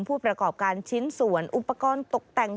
ผู้ประกอบการชิ้นส่วนอุปกรณ์ตกแต่ง